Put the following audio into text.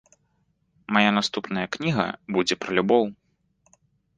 Мая наступная кніга будзе пра любоў.